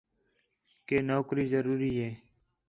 کہ نوکری ضروری ہِے